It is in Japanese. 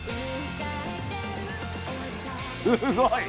すごい！